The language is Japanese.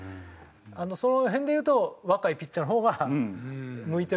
その辺でいうと若いピッチャーの方が向いてるかもしれないですね。